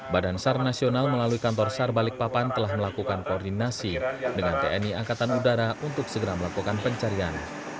badan sar nasional melalui kantor sar balikpapan telah melakukan koordinasi dengan tni angkatan udara untuk segera melakukan pencarian